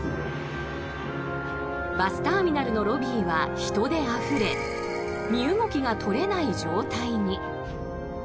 バスターミナルのロビーは人であふれ身動きが取れない状態に。